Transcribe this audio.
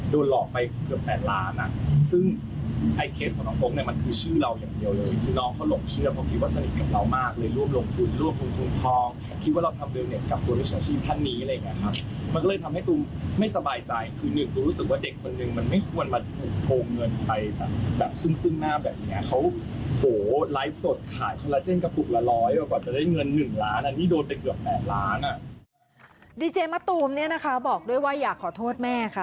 ดีเจมส์มาตูมบอกด้วยว่าอยากขอโทษแม่ค่ะ